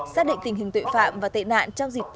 sát định tình hình tội phạm và tệ nạn